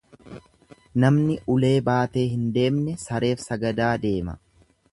Namni ulee baatee hin deemne sareef sagadaa deema.